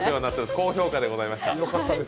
高評価でございました。